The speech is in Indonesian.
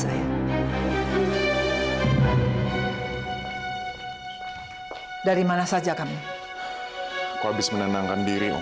saya juga tidak akan menangka itu